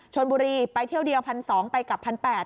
ชนบุรีไปเที่ยวเดียว๑๒๐๐ไปกับ๑๘๐๐